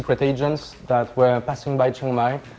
เราก็มีพื้นภาพที่สุดท้าย